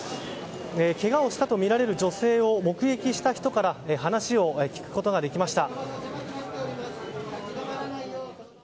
けがをしたとみられる女性を目撃した人から話を聞くことができました。